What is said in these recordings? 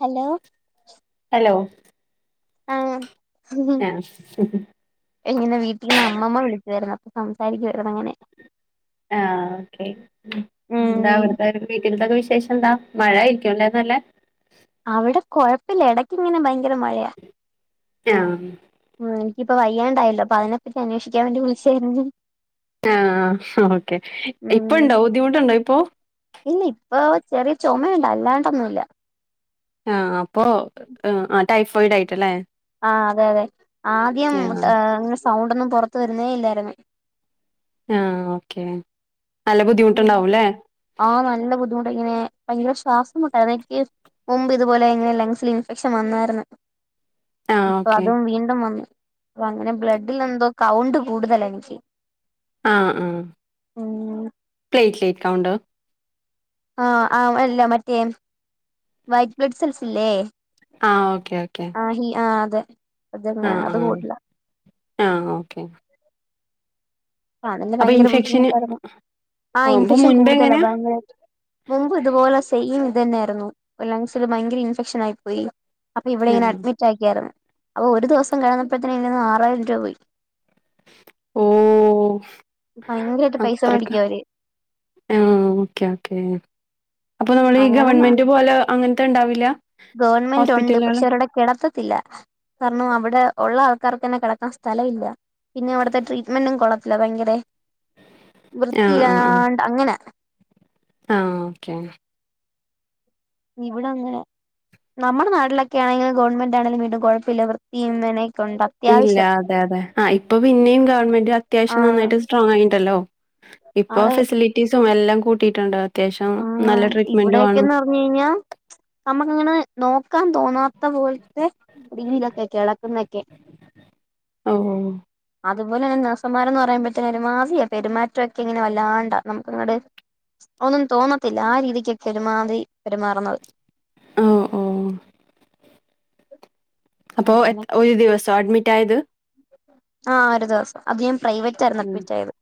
Hello ലോ ആഹ് എങ്ങനെ വീട്ടിൽന്ന അമ്മമ്മ വിളിച്ചു വായിരുന്നു സംസാരിക്കുവായിരുന്നു അങ്ങനെ ആ ഓക്കേ ഉം എന്താ അവിടുത്തെ വീട്ടിലൊക്കെ വി ശേഷം എന്താ മഴായിരിക്കുംല്ലേന്നല്ലേ അവിടെ കുഴപ്പില്ല ഇടക്ക് ഇങ്ങനെ ഭ ഭയങ്കര മഴ ആ എനിക്കിപ്പോ വയ്യാണ്ടായല്ലോ അപ്പൊ അതിനെപ്പറ്റി അന്വേഷിക്ക ഞാനവനെ വിളിച്ചായിരുന്നു ആ ഓക്കെ ഇപ്പ ഉം ഉണ്ടോ ബുദ്ധിമുട്ടുണ്ടോ ഇപ്പോ ഇല്ല ഇപ്പ ചെറിയ ചുമയുണ്ട് അല്ലാണ്ടൊന്നുമല്ല ആഹ അപ്പൊ ആ ടൈഫോയിഡ് ആയിട്ടല്ലേ ആ അതെ അതെ ആദ്യം ആ സൗണ്ട് ഒന്നും പുറത്ത് തീരുന്നേ ഇല്ലായിരുന്നു ആ ഓക്കെ നല്ല ബുദ്ധിമുട്ടുണ്ടാവുംല്ലേ അണ്ട് ഇങ്ങനെ ഭയങ്കര ശ്വാസമുണ്ടായിരുന്നു എനിക്ക് മുമ്പ് ഇതുപോലെ എങ്ങനെ ലങ്ങ്സിൽ ഇൻഫെക്ഷൻ വന്നായിരുന്നു ആ ഇപ്പൊ ഓക്കെ അതും വീണ്ടും വന്നു അപ്പം അങ്ങനെ ബ്ലഡിൽ എന്തോ കൗണ്ട് കൂടുതല എനിക്ക് ആഹ ആ ഉം പ്ലേറ്റ് ലേക്കാ ഉണ്ട് ആഹ് ആ അല്ല മറ്റേ വൈറ്റ് ബ്ലഡ് സെൽസ് ഇല്ലേ ആ ഓക്കെ ഓക്കെ ആ ഹി ആ അതെ അതന്നെ ആഹ് അത് ആഹ് കൂടില്ല ആഹ് ഓക്കെ ആണന്റെ അപ്പൊ ഭയങ്കര ഇൻഫെക്ഷന് ബുദ്ധിമുട്ടായിരുന്നു ആ ഓ അപ്പൊ ഇൻഫെക്ഷൻ മുൻപ് കൂടുതലാ എങ്ങനെയാ ഭയങ്കരായ്ട്ട് മുമ്പും ഇത്പോല അസ് ചെയ്യും ഇത് തന്നെയായിയിരുന്നു ലങ്സിില് ഭയങ്കര ഇൻഫെക്ഷൻ ആയി പോയി അപ്പൊ ഇവിടെ ഇങ്ങനെ ആ അഡ്മിറ്റ് ആക്കിയായിരുന്നു അപ്പൊ ഒരു ദിവസം കിടന്നപ്പോഴത്തന് ഇന്ന് ആറായിരം രൂപ പോയി ഓ ഭയങ്കരമായിട്ട് പൈസ അത്രക്ക് മേടിക്കും അവര് ആ ഓക്കെ ഓക്കെ അപ്പൊ നമ്മൾ ഈ അങ്ങനെ ഗവൺമെന്റ് പോലെ അങ്ങനത്തെ ഉണ്ടാവില്ല ഗവൺമെന്റ് ഉണ്ട് ഹോസ്പിറ്റലുകള് പക്ഷെ അവരുടെ കിടത്തത്തില്ല കാരണം അവിടെ ഉള്ള ആൾക്കാർക്കെന്നെ കിടക്കാൻ സ്ഥലം ഇല്ല പിന്നെ ഇവിടത്തെ ട്രീറ്റ്മെന്റും കൊളത്തില്ല ഭയങ്കര വൃത്തില്ലാണ്ട് അങ്ങനെ ആഹ് ഓക്കെ ഇവിടെ അങ്ങനെ നമ്മുടെ നാട്ടിലൊക്കെ ആണെങ്കിൽ ഗവമെന്റ് ആണെങ്കിലും കുഴപ്പില്ല വൃത്തിയും മെനയും ഇല്ല അതെ അതെ ആ ഇപ്പൊ പിന്നെയും ഗവൺമെന്റ് അത്യാവശ്യം ആഹ് നന്നായിട്ട് സ്ട്രോങ് ആയിണ്ടല്ലോ ഇപ്പൊ അതെ ഫെസിലിറ്റീസും എല്ലാം കൂട്ടിയിട്ടുണ്ട് അത്യാവശം ആ ഇവിടെൊക്കെന്ന് പറഞ്ഞ് കഴിഞ്ഞാൽ നമ്മുക്ക്ങ്ങനെ നോക്കാൻ തോന്നാത്ത പോലത്തെ ടിന്നിലൊക്കെ കിടക്കുനൊക്കെ ഓ അതുപോലെ തന്നെ നഴ്സമാരെന്ന് പറയുമ്പോ ഒരുമാതിരി പെരുമാറ്റം ഒക്കെ ഇങ്ങനെ വല്ലാണ്ടാ നമുക്ക് ഇങ്ങട് ഒന്നൊന്നും തോന്നത്തില്ല ആ രീതിക്ക പെരുമാറി പെരുമാറുന്നത് ഓ ഓ അപ്പൊ എ ഒരു ദിവസൊ അഡ്മിറ്റ് ആയത് ആ ഒരു ദിവസം അത് ഞാൻ പ്രൈവറ്റായിരുന്നു ഉം. അഡ്മിറ്റായത്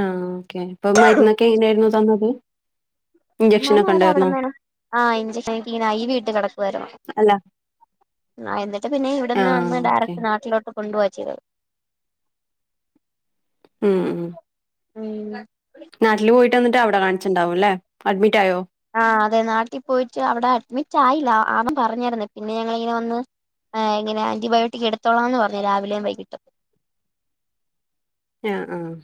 ആഹ് ഓക്കെ അപ്പൊ മരുന്നൊക്കെ എങ്ങനെയായിരുന്നു തന്നത് ഇഞ്ചക്ഷനൊക്കെ അവര ഉണ്ടായിരുന്നോ അവിടന്നാണ് ആ [unintelligible] ഇഞ്ചക്ക തീനയി വീട്ട് കിടക്ക വര അല്ല ആ എന്നിട്ട് പിന്നെ ആ ഇവിടെന്ന് വന്ന് ഓക്കെ ഡയറക്ട് നാട്ടിലോട്ട് കൊണ്ടുവച്ചത് ഉം ഉം ഉം നാട്ടില് പോയിട്ട് വന്നിട്ട് അവിടെ കാണിച്ചിണ്ടാവും ല്ലേ അഡ്മിറ്റ് ആയോ ആഹ അതെ നാട്ടിൽ പോയിട്ട് അവിടെ അഡ്മിറ്റ് ആയില്ല ആമ്മൻ പറഞ്ഞരുന്ന പിന്നെ ഞങ്ങിങ്ങനെ വന്ന് ആ എങ്ങനെ ആന്റിബയോട്ടിക് എടുത്തോളാംന്ന് പറഞ്ഞ് രാവിലേം വൈകിട്ടും [unintelligible] ആഹ് ആഹ്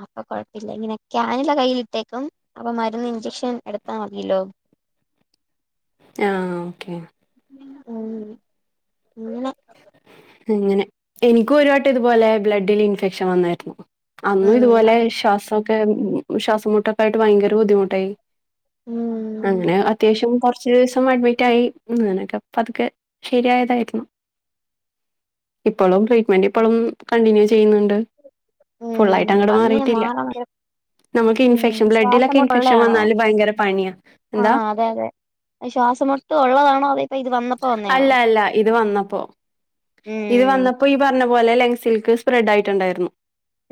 അപ്പൊ കൊഴപ്പില്ല ഇങ്ങനെ ആയ കയ്യിലിട്ടേക്കും അപ്പൊ മരുന്ന് ഇഞ്ചക്ഷൻ എടുത്താ മഞ്ഞല്ലോ ആഹ ഓക്കെ ഉ അങ്ങനെ ഇങ്ങനെ എനിക്കും ഒരുവട്ടം ഇതുപോലെ ബ്ലഡിൽ ഇൻഫെ വന്നായിരുന്നു അന്നും ഉം ഇതുപോലെ ശ്വാസ ശ്വാസംമുട്ടൊക്കെ ആയിട്ട് ഭയങ്കര ബുദ്ധിമുട്ടായി ഉം അങ്ങനെ അത്യാവശ്യം കൊറച്ച് ദിവസം അഡ്മിറ്റായി അങ്ങനൊക്കെ പത്ക്കെ ശരിയായതായിരുന്നു ഇപ്പോളും ട്രീറ്റ്മെന്റ് ഇപ്പോളും കണ്ടിന്യൂ ചെയ്യുന്നുണ്ട് ഫുൾ ഉം ആയിട്ട് അങ്ങോട്ട് വന്ന് മാറിട്ടില്ല മാറാൻ ഭയങ്കര നമുക്ക് ഉം ഇൻഫെക്ഷൻ ബ്ലഡിലൊക്കെ ഇൻഫെക്ഷൻ ശ്വാസംമുട്ടുള്ളയാണോ വന്നാല് ഭയങ്കര പണിയ എന്താ ശ്വാസമൊട്ട് ഉള്ളതാണോ അതെപ്പ ഇ അല്ല അല്ല ഇത് വന്നപ്പോ ഇത് ഉം വന്നപ്പോ ഈ പറഞ്ഞ [unintelligible] സ്പ്രഡ് ആയിട്ടുണ്ടായിരുന്നു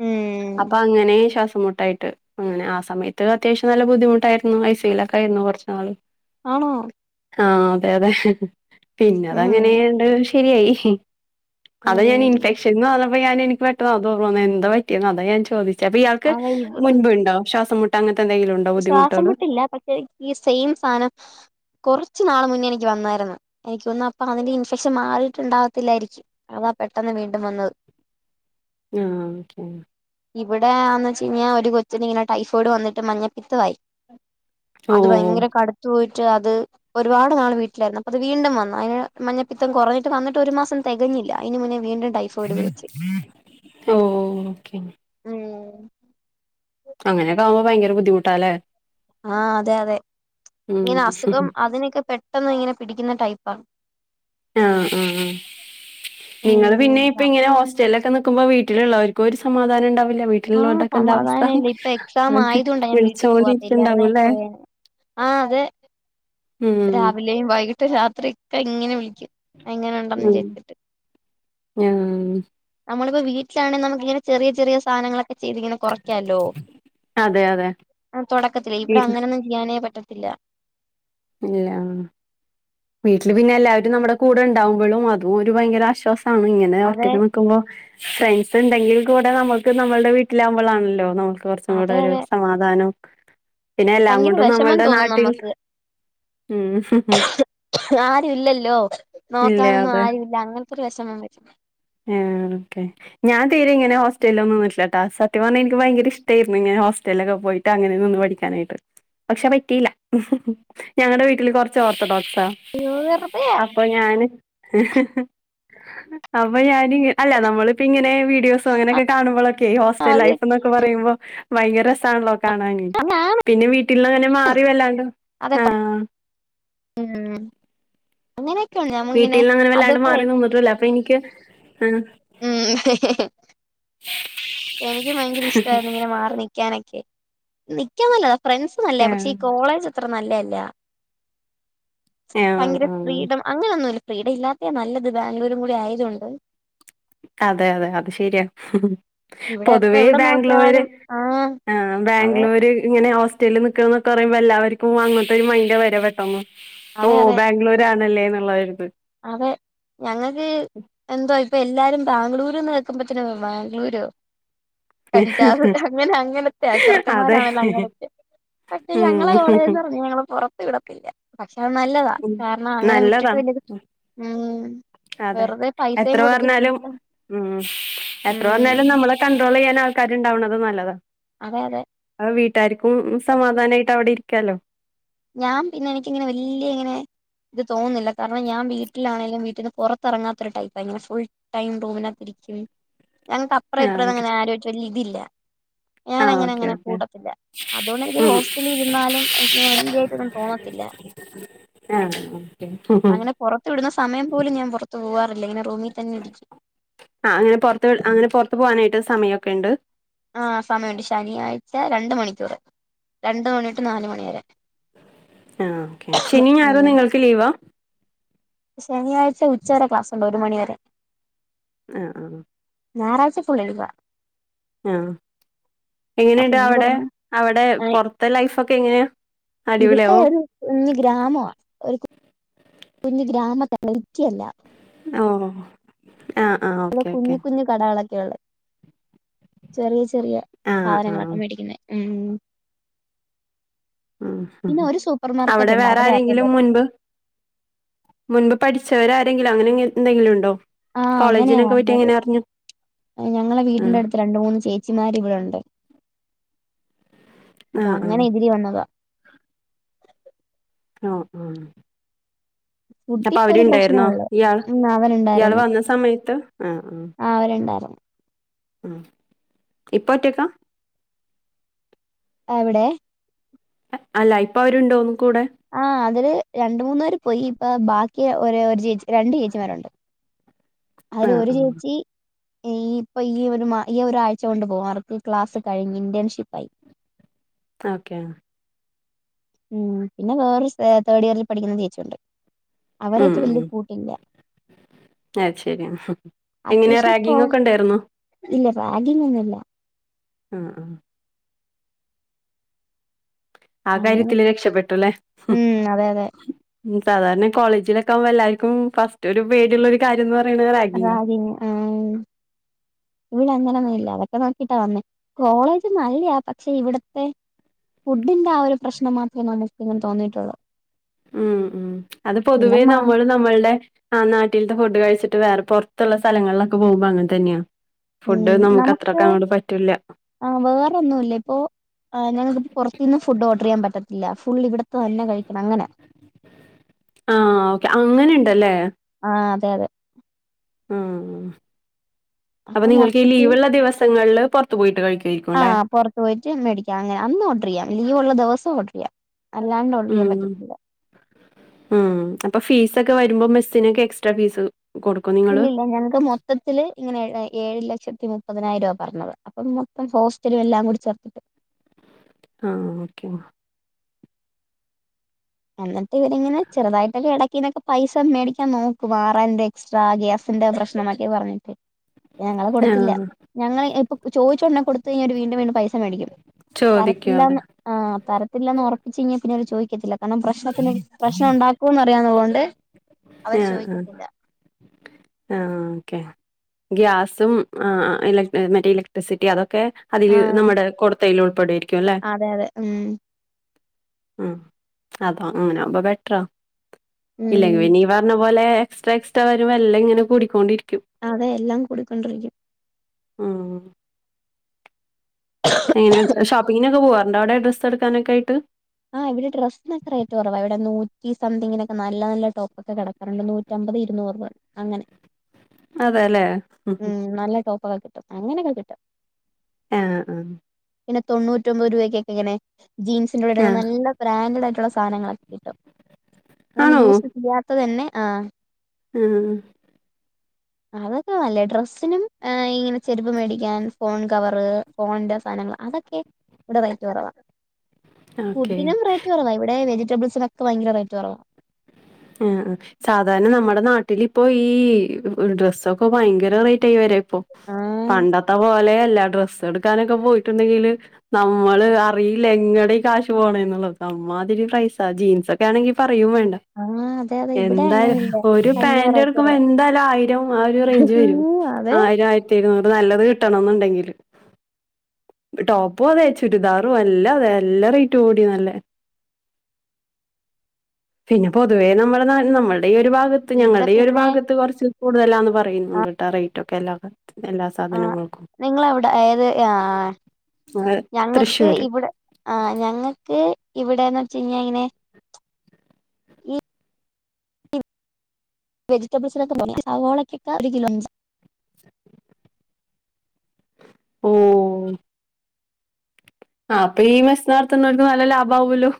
ഉം അപ്പോ അങ്ങനെ ശ്വാസം ബുദ്ധിമുട്ടായിട്ട് അനെ ആ സമയത്ത് അത്യാവശ്യം നല്ല ബുദ്ധിമുട്ടായിരുന്നു ഐസിയിലൊക്കെയിരുന്നു കുറച്ച നാള് ആണോ ആ അതെ അതെ പിന്നെ ഉം അതങ്ങനെങ്ങ്ശരിയായി അത ാൻ ഉം ഇൻഫെക്ഷൻന്ന് പറഞ്ഞപ്പോ ഞാ എനിക്ക് പെട്ടോ അത്ോഓവോന്ന എന്താ പറ്റിയന്ന് അത ഞാൻ ചോദിച്ചു അപ്പൊ ഇയാൾക്ക് അതെ മുൻപ് ഉണ്ടാവും ശ്വാസം മുട്ട് അങ്ങനത്തെ എന്തെങ്കിലും ഉണ്ടോ ബുദ്ധിമുട്ടുകള് ശ്വാസംമുട്ടില്ല പക്ഷെ ഈ സെയിം സാധനം കുറച്ചു നാള് മുന്നേ എനിക്ക് വന്നായിരുന്നു എനിക്ക് വന്ന അപ്പൊ അതിന്റെ ഇൻഫെക്ഷൻ മാറിയിട്ടുണ്ടാവത്തില്ലായിരിക്കും അതാ പെട്ടെന്ന് വീണ്ടും വന്നത് ആഹ് ഓക്കെ ഇവിടെ യാന്ന്ച് പിന്നെ ഒരു കൊച്ചിന് ഇങ്ങനെ ടൈഫോയിഡ് വന്നിട്ട് മഞ്ഞപ്പിത്തായി അത് ഓഹ് ഭയങ്കര കടുത്തു പോയി അത് ഒരുപാട് നാള് വീട്ടിലായിരുന്നു അപ്പ അത് വീണ്ടും വന്നു അതിന് മഞ്ഞപ്പിത്തം കുറഞ്ഞ വന്നിട്ട് ഒരു മാസം തികഞ്ഞില്ല ഇനി മുന്നേ നീണ്ടും ഡൈഫോ ഒരു വിളച്ച് ഓഹ് ഓക്കെ ഉ അങ്ങനെയൊക്കെകുമ്പോ ഭയങ്കര ബുദ്ധിമുട്ടല്ലേ ആഹ അതെ അതെ ഇങ്ങനെ അസുഖം അതിനൊക്കെ പെട്ടന്ന് ഇങ്ങനെ പിടിക്കുന്ന ടൈപ്പാണ് ആ നിങ്ങള് ഉം പിന്നെ ഇപ്പം ഇങ്ങനെ വന്നില്ല ഹോസ്റ്റലൊക്കെ നിക്കുമ്പോ വീട്ട മറ്റിലുള്ളവർക്കും ഒരു സമാധാനം ഉണ്ടാവും ആഹ് വീട്ടിലോണ്ടൊക്കെ എന്ത അവസ്ഥെ സമാധാനല്ല ഇപ്പൊ എക്സാം ആയതുകൊണ്ടാ ഞാൻ വീട്ടിൽ വിളിച്ചപോലി പോവാത്തെ ഇട്ട ഇല്ലായിരുന്നേ ഇണ്ടാവൂല്ലേ പോയേനെ ആഹ് അതെ രാവിലെയും വൈകിട്ട് രാത്രി ഒക്കെ ഇങ്ങനെ വിളിക്കും എങ്ങനെ ഉണ്ടെന്ന് ഉം വിചാരിച്ചിട്ട് ആഹ് നമ്മള് ഇപ്പ വീട്ട്ലാണെ നമുക്ക് ഇങ്ങനെ ചെറിയ ചെറിയ സാധനങ്ങളെ ചെയ്തിങ്ങനെ കൊറയ്ക്കല്ലോ അതെ അതെ ആ തുടക്കത്തിലേ ഇവിടെ വീട്ടില് അങ്ങനെൊന്നും ചെയ്യാനേ പറ്റ ഇല്ല ഇല്ല വീട്ടിൽ പിന്നെ എല്ലാവരും നമ്മുടെ കൂടെ ഉണ്ടാവുമ്പൊളും അതും ഒരു ഭയങ്കര ആശ്വാസം അമ്മ ഇങ്ങനെ അതെ ഒറ്റക്ക് ന്ന്ക്കുമ്പോ ഫ്രണ്ട്സ് ഉണ്ടെങ്കിൽ കൂടെ നമുക്ക് നമ്മളുടെ വീട്ടിലാകുമ്പോഴാണല്ലോ നമു കുറച്ചും കൂടെ അതെ ഒരു അതെ സമാധാനോം ഭയങ്കര വിഷമം തോന്നും നമുക്ക് ഉം ആരുുംല്ലല്ലോ ഇല്ല നോക്കാനൊന്നും ആരുില്ല അങ്ങനെ ഒരു ദിവസം ഞാൻ വരും ആ ഓക്കെ ഞാ തീരെ ഇങ്ങനെ ഹോസ്റ്റലിൽ ഒന്നും നിന്നിട്ടില്ല ട്ടാ സത്യം പറഞ്ഞ എനിക്ക് ഭയങ്കര ഇഷ്ടായിരുന്നു ഹോസ്റ്റലിലൊക്കെ പോയിട്ട് അങ്ങനെ നിന്ന് പഠിക്കാനായിട്ട് പക്ഷെ പറ്റീല്ല ഞങ്ങടെ വീട്ടില് കൊറച്ച് ഓർത്തഡോക്സ് വെറുതെ അപ്പം ഞാൻ അപ്പം ഞാൻ അല്ല നമ്മളിപ്പം ഇങ്ങനെ വീഡിയോസോ അങ്ങനെയൊക്കെ കാണുമ്പോഴൊക്കെയേ ഹോസ്റ്റൽ അതെ ലൈഫ് എന്നൊക്കെ പറയുമ്പോ ഭയങ്കര രസാണോ കാണാ അതാണ് പിന്നെ വീട്ടിൽ അങ്ങനെ മാറി വല്ലാണ്ടോ അതെ ആഹ അങ്ങനെയൊക്കെയണ്ട് ഞമ്മ ഇങ്ങനെ വീട്ടിൽന്നങ്ങനെ വല്ലാണ്ട് അത്പ്പോ മാറി നിന്നിട്ടുല്ല. അപ്പൊ എനിക്ക് ആഹ് ഉം എനിക്ക് ഭയങ്കര ഇഷ്ടായിരുന്നു ഇങ്ങനെ മാറി നിക്കാനൊക്കെ നിക്കാൻ പോല്ല ഫ്രണ്ട്സ് നല്ല പക്ഷെ ഈ ആഹ് കോളേജ് അത്ര നല്ലല്ല ആഹ് ഭയങ്കര ആഹ് ഫ്രീഡം അങ്ങനൊന്നുവില്ല ഫ്രിഡ ഇല്ലാത്തെ നല്ലത് ബാംഗ്ലൂരും കൂടി ആയത് കൊണ്ട് അതെ അതെ അത ശെരിയാ ഇവിടെ എപ്പ പൊതുവേ എവിടെ ബാംഗ്ലൂര് നോക്കിയാലും ആഹ് ആ അതെ ബാംഗ്ലൂര് ഇങ്ങനെ ഹോസ് മറ്റൽ നിക്കുന്ന എന്നൊക്കെ പറയുമ്പോ എല്ലാവർക്കും അങ്ങട്ടത്തെൊരു മൈൻഡ വരെ പെട്ടെന്ന് ഓ അതെ അതെ ബാംഗ്ലൂര ആണല്ലേ ല്ലായിരുന്നു അതെ ഞങ്ങക്ക് എന്ത ഇപ്പൊ എല്ലാരും ബാംഗ്ലൂര്ന്ന് കേക്കുമ്പോത്തനെ ബാംഗ്ലൂരുോ കടിച്ചത് അങ്ങനെ അങ്ങനത്തെെയ അതെ. ചെറുക്കന്മാരാണല്ലോ അങ്ങനത്തെ പക്ഷെ ഞങ്ങളെ ഉം. കോളേജ്ന്ന് പറഞ്ഞ ഞങ്ങള് പുറത്ത് വിടത്തില്ല പക്ഷെ അത് നല്ലതാ കാരണം അങ്ങനെ വിട്ടിട്ട് വലിയത് ഉ ഉം അതെ വെറുതെ പൈസയും എത്ര കൊടുത്ത് പറഞ്ഞാലും ചീത്ത ഉം എത്ര ഉം വന്നാലും നമ്മളെ കണ്ട്രോൾ ചെയ്യാൻ ആൾക്കാരുണ്ടാവ്ണതും നല്ലത അതെ അതെ ട്ടാരിക്കും സമാധാനായിട്ട് അവിടെ ഇരിക്കാലോ ഞാൻ പിന്നെ എനിക്കി ങ്ങനെ വല്ല്യ ങ്ങനെ ഇത് തോന്നില്ല കാരണം ഞാൻ വീട്ടിലാണെങ്കിലും വീട്ടിന് പുറത്തിറങ്ങാത്തരു ടൈപ്പ് ഇങ്ങനെ ഫുൾ ടൈം റൂമിനകത്തിരി ഉം ഞങ്ങക്ക് അപ്പ്രം ആഹ് ഇപ്രേ ഓക്കെ. ങ്ങനെ ആലോയ്ച്ച് ഒര് ഇതില്ല ഞാാന ആഹ് അങ്ങനെ ഓക്കെ, അങ്ങനെ ഓക്കെ. കൂട്ടത്തില്ല അതുകൊണ്ട് എനിക്ക് ഉം. ഹോസ്റ്റല ഇരുന്നാലും എനിക്കങ്ങനെ രിയായിട്ടൊന്നും തോന്നത്തില്ല ആഹ് ഓക്കെ. അങ്ങനെ പുറത്ത് വിടുന്ന സമയം പോലും ഞാൻ പുറത്തു പോവാ ആഹ് അങ്ങനെ പൊറത്ത് അങ്ങനെ പൊറത്ത പോവാനായിട്ട് ഒര് സമയൊക്കെ ണ്ട് ആഹ്സമയൊണ്ട് ശനിയാഴ്ച രണ്ട് മണിക്കൂർ രണ്ട മണിട്ട് നാല മണിിവരെ ആ ഓക്കെ ശനിഞായറും നിങ്ങൾക്ക് ലീവാ ശനിയാഴ്ച ഉച്ചരെ ക്ലാസ്സ്ണ്ട് ഒരു മണിവരെ ആ ആ ഞാറാഴ്ച ഫുള്ളെഴുതുവാ ആഹ് അപ്പൊ എങ്ങനെയുണ്ട് ഈ അവിടെ വരുന്ന അവിടെ ആഹ് പൊറത്തെ ലൈഫൊക്കെ എങ്ങനെയാ ഇവിടെ അടിപൊളിയാവോ ഒരു കുഞ്ഞു ഗ്രാമവാ ഒരു കുഞ്ഞു ഗ്രാമത്താ റ്റിയല് [unintelligible] ഓ ആ ആ അത് ഓക്കെ ഓക്കെ കുഞ്ഞു കുഞ്ഞ് കടകളൊക്കെ ചെറിയ ചെറിയ ആ ആ സാധനങ്ങളൊകെമേടിക്കുന്ന ഉം ഉം പിന്നെ ഹ ഒരു സൂപ്പർ മാർക്കറ്റ് അവിടെ ഉണ്ട് അവിടെയാ ഇപ്പൊ വേറാരെങ്കിലും എല്ലാരും മുൻപ് പോകുന്നെ മുൻപ് പഠിച്ചവരാരെങ്കിലും അങ്ങനെ ഇങ്ങ് എന്തെങ്കിലും ഉണ്ടോ ആഹ് അങ്ങനെയാ കോളേജിനൊക്കെ പോയിട്ട് വന്നത് എങ്ങനെ അറിഞ്ഞത് ഞങ്ങളെ വീടിന്റെ അടുത്ത് രണ്ട മൂന്ന് ചേച്ചിമാര് ഇവിടെണ്ട് ആ അപ്പൊ ആ അങ്ങനെ ഇതിരി വന്നതാ ആഹ് ഉം അപ്പൊ ഫുഡിത്തെ ഒരു പ്രശ്നേ അവരുണ്ടായിരുന്നോ ഉള്ളൂ ഇയാൾ ഉം ഇയാൾ അവനുണ്ടായിരുന്നു വന്ന സമയത്ത് ആഹ് ആഹ് ഉം ഇപ്പൊ ഒറ്റക്കാ എവിടെ അല്ല ഇപ്പൊ അവരുണ്ടോന്നുന്നു ആ അതില് രണ്ടു മൂന്നു പേര് പോയി ഇപ്പൊ ബാക്കി ഒര് ഒരു ചേച്ചി രണ്ട് ചേച്ചിമാരൊണ്ട് അതിൽ ആ ഒരു ആ ചേച്ചി ഈ ഇപ്പൊ ഈ ഒരു മാ ഈ ഒരാഴ്ച കൊണ്ടാ പോകാറ് ഇപ്പൊ ഈ ക്ലാസ് കഴിഞ്ഞു ഇന്റേൺഷിപ്പായി ഓക്കെ ഉം പിന്നെ വേറെ സ് തേർഡ് ഇയറിൽ പഠിക്കുന്ന നിച്ചിണ്ട് അവരായിട്ട് വല്യര് കൂട്ടില്ല അ ശരി എങ്ങനെയാ അത്യാവശ്യം കോ റാഗിങ് ഒക്കെ ഉണ്ടായിരുന്നു ഇല്ല റാഗിങ്ങൊന്നുല്ല ആ ആ ആ അങ്ങനെ കാര്യത്തില് രക്ഷപ്പെട്ടു അല്ലേ ഉം അതെ അതെ ഉം സാധാരണ ഈ കോളേജിലൊക്കെ ആവുമ്പോ എല്ലാരിക്കും ഫസ്റ്റ് ഒരു പേടിയുള്ള ഒരു കാര്യൊന്ന് പറഞ് [unintelligible] ന് ആ ഇവിടെ അന്നേര അതൊക്കെ നോക്കിട്ടാ വന്നേ കോളേജ് നല്ലയാാ പക്ഷെ ഇവിടത്തെ ഫുഡിന്റെ ആ ഒരു പ്രശ്നം മാ ഉം ഉം അത് പിന്നെ പൊതുവേ മാ നമ്മള് നമ്മൾടെ ആ നാട്ടിൽത്തെ ഫുഡ് കഴിച്ചിട്ട് വേറെ പൊറത്തൊള്ള സ്ഥലങ്ങളിലൊക്കെ പോകുമ്പോ അങ്ങനെ തന്നെയാണ് ഫുഡ് നമുക്ക് അത്രൊക്കെ അങ്ങോട് പറ്റൂല ആഹ് വേറെൊന്നൊല്ല ഇപ്പൊ ഞ [unintelligible] പൊറത്തിന്ന് ഫുഡ് ഓർഡർ ചെയ്യാൻ പറ് പല്ല ഫുൾ ഇവിടത്ത തന്നെ കഴിക്കണം അങ്ങനെ ആഹ് ഓക്കെ അങ്ങനുണ്ട്ല്ലേ ആഹ അതെ അതെ ഉ അപ്പൊ നിങ്ങൾക്ക് ഈ ലീവ്ള്ള ദിവസങ്ങളില് പുറത്തു പോയിട്ട് കഴിക്ക ആഹ് പൊറത്തു പോയിട്ട് മേടിക്കാം അങ്ങനെ അന്ന് ഓർഡർയ്യാം ഇനിയൊള്ള ദിവസോർഡർ ചെയ്യാം അല്ലാണ്ട് ഓർഡർ ചെയ്യാൻ ഉം പറ്റത്തില്ല ഉം അപ്പ ഫീസക്കെ വരുമ്പോ മെസിനൊെ എക്സ്ട്രാീസും ഇല്ലല്ല ഞങ്ങക്ക് മൊത്തത്തില്ൽ ഇങ്ങനെ ഏഴ് ലക്ഷത്തി മ മുപ്പതിനായിരം രൂപ പറഞ്ഞത് അപ്പം മൊത്തം ഹോസ്റ്റലും എല്ലാം കൂടി ചേർത്തിട്ട് ആ ഓക്കെ എന്നിട്ട് ഇവരിങ്ങനെ ചെറുതായിട്ടൊക്കെ ഇടക്കിങ്ങനൊക്കെ പൈസ മേടിക്കാൻ നോക്കും ആറായിരം രൂപ എക്സ്ട്രാ ഗ്യാസ് ന്റെ പ്രശ്നൊക്കെ പറഞ്ഞിട്ട് ഞങ്ങളെ കൊടുത്തില്ല ആഹ് ഞങ്ങള്ൾ ഇപ്പൊ ചോദിച്ചോണ്ട കൊടുത്ത് കഴിഞ്ഞഞ് ഒരു വീണ്ടും വീണ്ടും പൈസ മേടിക്കും ചോദിക്കാതെ തരത്തില്ലാന്ന് ആ് തരത്തില്ലന്ന് ഒറപ്പിച്ച് ക [unintelligible] പിന്നെ അവര് ചോയ്ക്കത്തില്ല കാരണം പ്രശ്നത്തിന് പ്രശ്നം ഒണ്ടാക്കൂന്ന് അറിയാവുന്ന കൊണ്ട് അവര് ആഹ് ആഹ് ചോദിക്കത്തില്ല ആഹ് ഓക്കെ ഗ്യാസും ആന് മറ്റേ ഇലക്ട്രിസിറ്റി അതൊക്കെ ക്കെ അതിൽ ആഹ് നമ്മുടെ കൊടുത്തതിൽ ഉൾപ്പെടെയിരിക്കും അല്ലെ അതെ അതെ ഉം അഹ് അതാ അങ്ങനൊവുമ്പോ ബെറ്ററാ ഇല്ലെങ്കി ഉം പിന്നെ ഇ പറഞ്ഞ പോലെ എക്സ്ട്രാ എക്സ്ട്രാ വരും വെല്ല ങ്ങനെ കൂടിക്കൊണ്ടിരിക്ക അതെ എല്ലാം കൊടുക്കണ്ട വരും ആഹ എങ്ങനെ ഷോപ്പിങ്ങിനൊക്കെ പോവാറണ്ട് അവിടെ ഡ്രസ്സ് എടുക്കാനൊക്കെ ആയിട്ട് ആഹ് ഇവി ഡ്രസ് നൊക്കെ റേറ്റ് കൊറവ ഇവടെ നൂറ്റി സംതിങ്ങിനൊക്കെ നല്ല നല്ല ടോപ്പ് ഒക്കെ കെടക്ക്ണ് ണ്ട് നൂറ്റമ്പത് ഇരുന്നൂർ അങ്ങനെ അതെല്ലേ ഓ കിട്ടും അങ്ങനൊക്കെ കിട്ടും ആഹ് ആ പിന്നെ തൊണ്ണൂറ്റൊമ്പത് രൂപയ്ക്കൊക്കെ ഇങ്ങനെ ജീൻസിന്റെടെ ആഹ് നല്ല ബ്രാൻഡ് ആയിട്ടുള്ള സാധനങ്ങളൊക്കെ കിട്ടും ഞാൻ ആണോ യൂസ് ചെയ്യാത്തത് തന്നെ ആ ആഹ് അതൊക്കെ നല്ലേ ഡ്രസ്സിനും ഹേ ഇങ്ങനെ ചെരുപ്പ് മേടിക്കാൻ ഫോൺ കവറ് ഫോണിന്റെ സാധനങ്ങൾ അതൊക്കെ ഇവിടെ റേറ്റ് കുറവാണ്. ഓക്കെ ഫുഡിനും റൈറ്റ് കൊറവ ഇവിടെ വെജിറ്റബിൾസിനൊക്കെ ഭയങ്കര റൈറ്റ് കൊറവ ആ ആ സാധാരണ നമ്മുടെ നാട്ടിലിപ്പോ ഈ ഡ്രസ്സൊക്കെ ഭയങ്കര റേറ്റ് ആയി വരാ ആഹ് പണ്ടത്തെ പോലെയല്ല ഡ്രസ് ടുക്കാനൊക്കെ പോയിട്ടുണ്ടെങ്കിൽ നമ്മള് അറിയില്ല എങ്ങടെ ഈ കാശ് പോന്ന എന്നുള്ളത് മാതിരി പ്രൈസ ജീൻസ് ഒക്കെ ആണെങ്കി പറയും വേണ്ട. ആ അതെ അതെ ഇവിടെ എന്തായാലും അങ്ങനെയില്ല ഒരു ഭയങ്കര പാന്റ് റേറ്റ് എടുക്കുമ്പോ കുറവാ എന്തായാലും ആയിരം ആ ഒരു റേഞ്ച് വരും. ഉം അതെ ആയിരം ആയിര ആയിരത്തി ഇരുനൂറു നല്ലത് കിട്ടണ എന്നുണ്ടെങ്കില് ടോപ്പും അതെ ചുരിദാറുംഎല്ലാം അതെ എല്ലാ റേറ്റും കൂടി നല്ലേ പിന്ന പൊതുവേ നമ്മളെ നാ നമ്മളുടെ ഈ ഒരു ഭാഗത്ത് ഇവിടെ ഞങ്ങളുടെ ഈ ഒരു പിന്നെ ഭാഗത്ത് കുറച്ച് കൂടുതലാന്ന് പറയുന്നുണ്ട്. റെയിറ്റ് ഒക്കെല്ലൻ [unintelligible] ആ നിങ്ങളെവിടെ ഏത് ആ ഏഹ് ഞങ്ങക്ക് തൃശ്ശൂര് ഇവിടെ ആ ഞങ്ങക്ക് ഇവിടെന്ന് വെച്ച കഴഞ്ഞാ ഇങ്ങനെ ഈ വെജിറ്റബിൾസിനൊക്കെ [unintelligible] സവോളക്കക്കെ ഒരു കിലോ അഞ്ച ഓ ആ അപ്പീ ഈ മെസ് നടത്തുന്നവർക്ക് നല്ല ലാഭവോല്ലോ